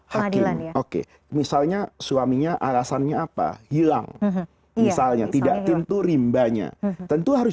hakim oke misalnya suaminya alasannya apa hilang misalnya tidak tentu rimbanya tentu harus